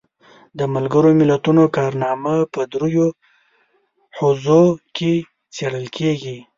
د ملګرو ملتونو کارنامه په دریو حوزو کې څیړل کیږي.